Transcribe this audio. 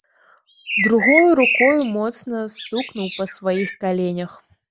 Другою рукою моцна стукнуў па сваіх каленях.